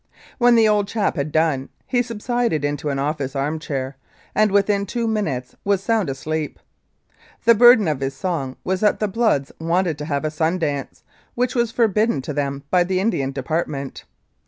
When the old chap had done, he subsided into an office arm chair, and within two minutes was sound asleep. The burden of his song was that the Bloods wanted to have a Sun dance, which was forbidden to them by the Indian Department.